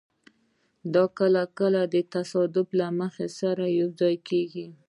دا کله کله د تصادف له مخې سره یوځای کېږي.